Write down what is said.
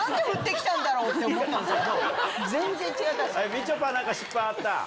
みちょぱ何か失敗あった？